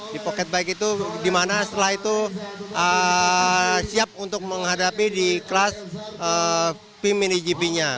di pocket bike itu dimana setelah itu siap untuk menghadapi di kelas tim mini gp nya